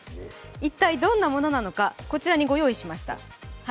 一体どんなものなのか、こちらにご用意しました。